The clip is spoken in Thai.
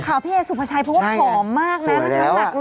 ข่าวพี่แอ๋สุภาชัยเพราะว่าผอมมากแล้ว